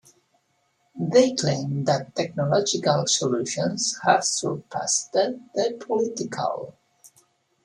They claim that technological solutions have surpassed the political.